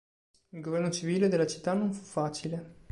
Il governo civile della città non fu facile.